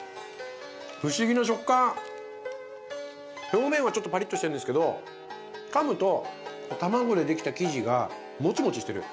表面はちょっとパリッとしてるんですけどかむとたまごでできた生地がもちもちしてる。